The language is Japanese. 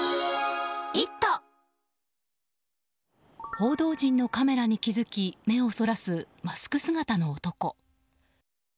報道陣のカメラに気づき目をそらすマスク姿の男。